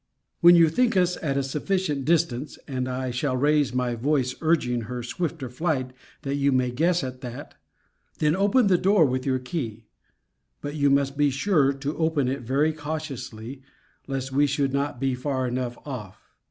When you think us at a sufficient distance [and I shall raise my voice urging her swifter flight, that you may guess at that] then open the door with your key: but you must be sure to open it very cautiously, lest we should not be far enough off.